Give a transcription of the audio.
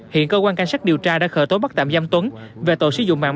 hiện cơ quan cảnh sát điều tra đã khởi tố bắt tạm giam tuấn về tội sử dụng mạng